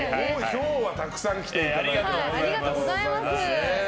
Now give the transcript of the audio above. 今日はたくさん来ていただいてありがとうございます。